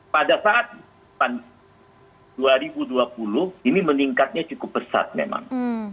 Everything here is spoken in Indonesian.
pada saat dua ribu dua puluh ini meningkatnya cukup pesat memang